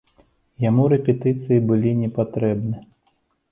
Яму рэпетыцыі былі непатрэбны.